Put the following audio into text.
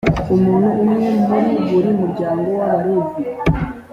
umuntu umwe muri buri muryango w’abalevi.